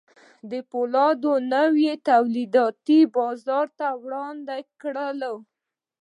د پولادو نوي تولیدات یې بازار ته وړاندې کړل